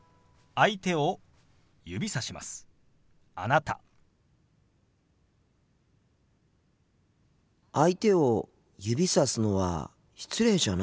相手を指さすのは失礼じゃないんですか？